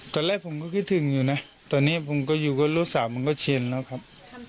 ตอนแรกผมก็คิดถึงอยู่นะตอนนี้ผมก็อยู่กับลูกสาวมันก็ชินแล้วครับ